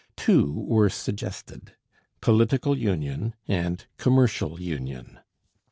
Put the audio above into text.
Two were suggested, political union and commercial union.